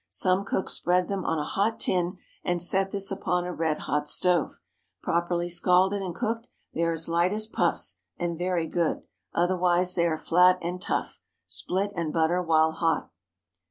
Some cooks spread them on a hot tin, and set this upon a red hot stove. Properly scalded and cooked, they are light as puffs, and very good; otherwise they are flat and tough. Split and butter while hot.